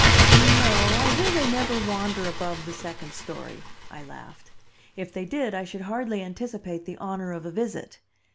"No, I hear they never wander above the second story," I laughed. "If they did I should hardly anticipate the honor of a visit.